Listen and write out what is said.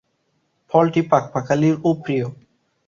ফলটি পাখ-পাখালিরও প্রিয়।